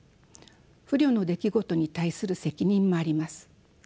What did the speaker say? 不慮の出来事に対する責任もあります。